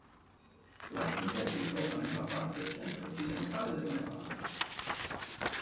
La contea si trova nella parte centro-occidentale del Nevada.